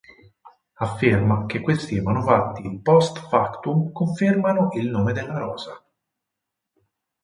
Afferma che questi manufatti post factum confermano "Il nome della rosa".